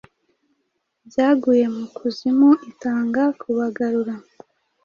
byaguye mu kuzimu itanga kubagarura